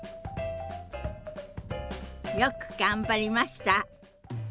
よく頑張りました！